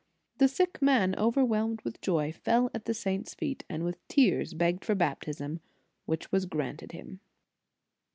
* The sick man, overwhelmed with joy, fell at the saint s feet, and with tears begged for baptism, which was granted him.